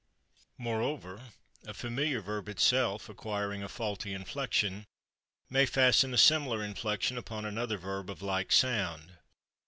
Moreover, a familiar verb, itself acquiring a faulty inflection, may fasten a similar inflection upon another verb of like sound.